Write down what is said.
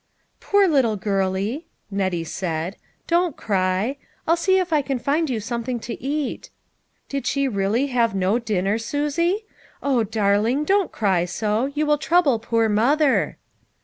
" Poor little girlie !" Nettie said, " don't cry ; I'll see if I can find you something to eat.' Did she really have no dinner, Susie? Oh, darling, don't cry so ; you will trouble poor mother."